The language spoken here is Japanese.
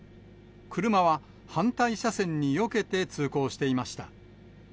車は反対車線によけて通行していました。